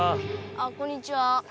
あっこんにちは。